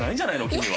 君は。